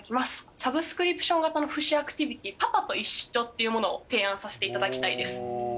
サブスクリプション型の父子アクティビティパパと一緒っていうものを提案させていただきたいです。